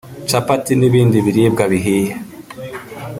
capati n’ibindi biribwa bihiye